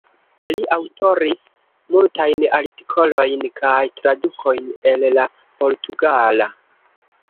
Li aŭtoris multajn artikolojn kaj tradukojn el la portugala.